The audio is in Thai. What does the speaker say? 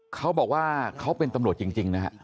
เขาบอกว่าเขาเป็นตำรวจจริงนะฮะ